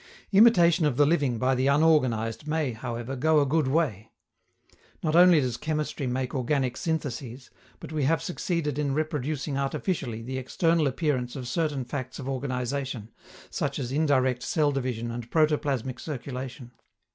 Imitation of the living by the unorganized may, however, go a good way. Not only does chemistry make organic syntheses, but we have succeeded in reproducing artificially the external appearance of certain facts of organization, such as indirect cell division and protoplasmic circulation.